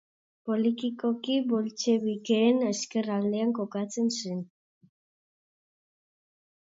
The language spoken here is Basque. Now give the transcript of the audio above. Politikoki boltxebikeen ezker-aldean kokatzen zen.